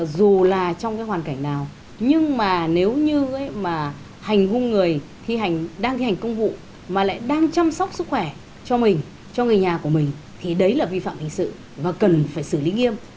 dù là trong cái hoàn cảnh nào nhưng mà nếu như mà hành hung người khi đang thi hành công vụ mà lại đang chăm sóc sức khỏe cho mình cho người nhà của mình thì đấy là vi phạm hình sự và cần phải xử lý nghiêm